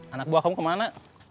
anak buah kamu kemana